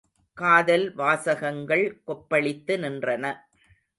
காதல் வாசகங்கள் கொப்பளித்து நின்றன.